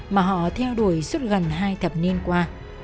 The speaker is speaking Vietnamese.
mà họ theo đuổi suốt gần hai thập niên qua